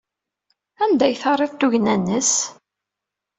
Anda ay terriḍ tugna-nnes?